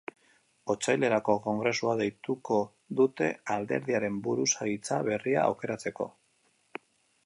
Otsailerako kongresua deituko dute, alderdiaren buruzagitza berria aukeratzeko.